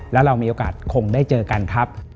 แล้วเรามีโอกาสคงได้เจอกันครับ